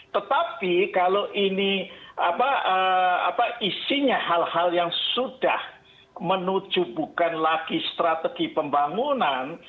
tetapi kalau ini isinya hal hal yang sudah menuju bukan lagi strategi pembangunan